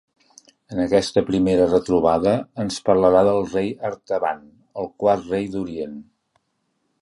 En aquesta primera retrobada ens parlarà del rei “Artaban, el quart rei d’Orient”.